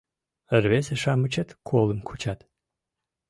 Рвезе-шамычет колым кучат